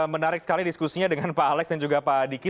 menarik sekali diskusinya dengan pak alex dan juga pak diki